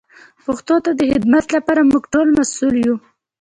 پښتو ته د خدمت لپاره موږ ټول مسئول یو.